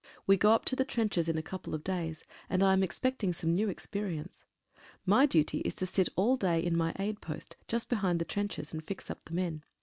We go up to the trenches in a couple of days, and I am expecting some new experi ence. My duty is to sit all day in my aid post, just be hind the trenches, and fix up the men.